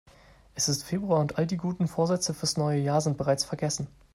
Es ist Februar und all die guten Vorsätze fürs neue Jahr sind bereits vergessen.